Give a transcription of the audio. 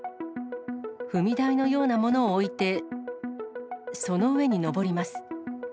踏み台のようなものを置いて、その上に上ります。